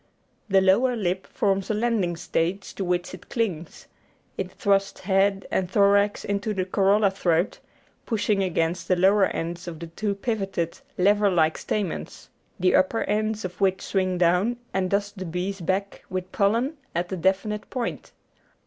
The lower lip forms a landing stage to which it clings; it thrusts head and thorax into the corolla throat, pushing against the lower ends of the two pivoted, lever like stamens, the upper ends of which swing down and dust the bee's back with pollen at a definite point.